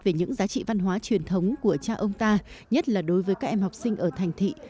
về những giá trị văn hóa truyền thống của cha ông ta nhất là đối với các em học sinh ở thành thị